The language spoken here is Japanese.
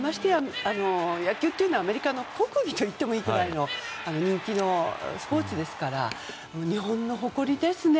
野球といえばアメリカの国技といってもいいくらいの人気のスポーツですから日本の誇りですね。